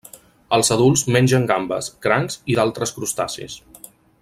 Els adults mengen gambes, crancs i d'altres crustacis.